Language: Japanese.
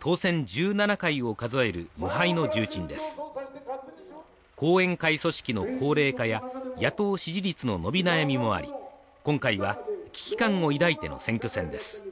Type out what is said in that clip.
１７回を数える無敗の重鎮です後援会組織の高齢化や野党支持率の伸び悩みもあり今回は危機感を抱いての選挙戦です